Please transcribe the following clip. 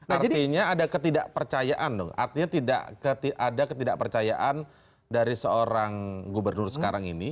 artinya ada ketidakpercayaan dong artinya tidak ada ketidakpercayaan dari seorang gubernur sekarang ini